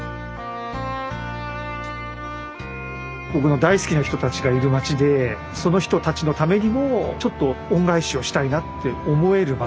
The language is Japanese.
僕の大好きな人たちがいる街でその人たちのためにもちょっと恩返しをしたいなって思える街。